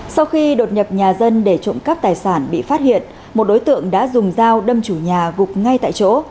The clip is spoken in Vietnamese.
sau khi đột nhập nhà dân để trộm cắp tài sản bị phát hiện một đối tượng đã dùng dao đâm chủ nhà gục ngay tại chỗ